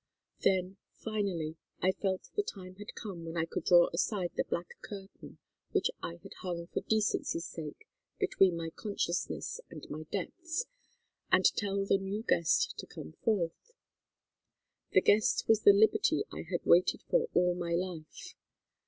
Then, finally, I felt the time had come when I could draw aside the black curtain which I had hung for decency's sake between my consciousness and my depths, and tell the new guest to come forth. The guest was the liberty I had waited for all my life.